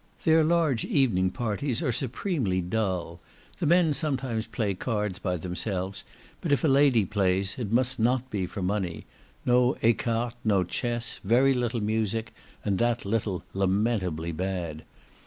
Their large evening parties are supremely dull; the men sometimes play cards by themselves, but if a lady plays, it must not be for money; no ecarte, no chess; very little music, and that little lamentably bad.